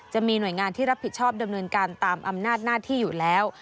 จะมีหน่วยงานที่รับผิดชอบดำเนินการตามอำนาจหน้าที่อยู่แล้ว